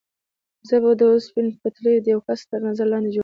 زه به د اوسپنې پټلۍ د یوه کس تر نظر لاندې جوړوم.